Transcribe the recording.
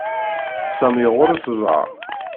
Sami ɣuṛ-s ẓhaṛ.